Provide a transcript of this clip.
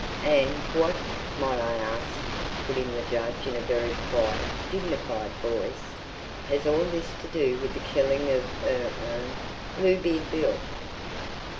"And what, might I ask," put in the judge in a very quiet, dignified voice, "has all this to do with the killing of er—er—Bluebeard Bill?"